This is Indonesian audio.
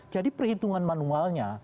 jadi perhitungan manualnya